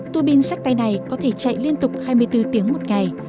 tu bin sách tay này có thể chạy liên tục hai mươi bốn tiếng một ngày